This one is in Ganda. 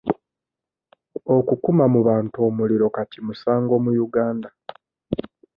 Okukuma mu bantu omuliro kati musango mu Uganda.